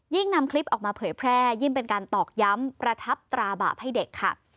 นำคลิปออกมาเผยแพร่ยิ่งเป็นการตอกย้ำประทับตราบาปให้เด็กค่ะ